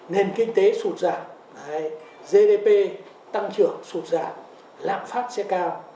nền kinh tế sụt giảm gdp tăng trưởng sụt giảm lạm phát sẽ cao